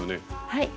はい。